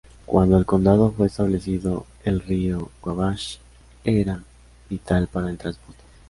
Cuando el condado fue establecido, el río Wabash era vital para el transporte.